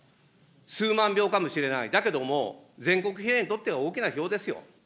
数万票かもしれない、だけども、全国比例にとっては、大きな票ですよ。